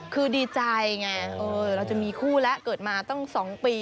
คือดีใจไงเราจะมีคู่แล้วเกิดมาตั้ง๒ปี